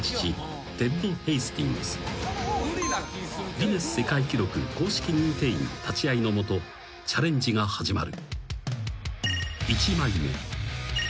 ［ギネス世界記録公式認定員立ち会いの下チャレンジが始まる］